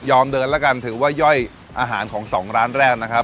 เดินแล้วกันถือว่าย่อยอาหารของสองร้านแรกนะครับ